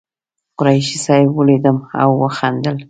قریشي صاحب ولیدم او وخندل.